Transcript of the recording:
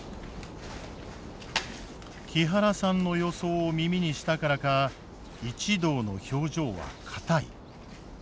木原さんの予想を耳にしたからか一同の表情は硬い。